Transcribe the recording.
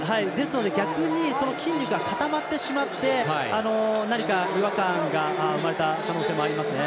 逆に筋肉が固まってしまって、何か違和感が生まれた可能性もありますね。